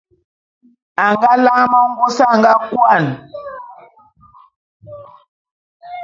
A nga lane mengôs a nga kôan.